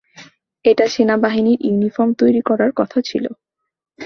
এটা সেনাবাহিনীর ইউনিফর্ম তৈরি করার কথা ছিল।